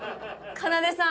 かなでさん